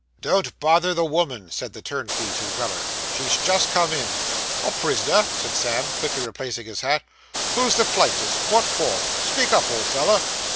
'Don't bother the woman,' said the turnkey to Weller; 'she's just come in.' 'A prisoner!' said Sam, quickly replacing his hat. 'Who's the plaintives? What for? Speak up, old feller.